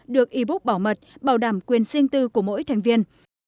được ebook bảo mật bảo đảm quyền sinh tư của mỗi thành viên